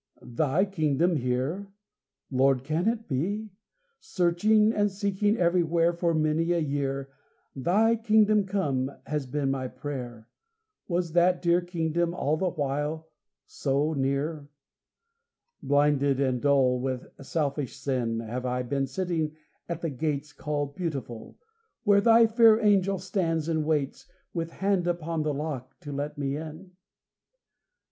Thy kingdom here? Lord, can it be? Searching and seeking everywhere For many a year, "Thy kingdom come" has been my prayer. Was that dear kingdom all the while so near? Blinded and dull With selfish sin, Have I been sitting at the gates Called Beautiful, Where Thy fair angel stands and waits, With hand upon the lock to let me in?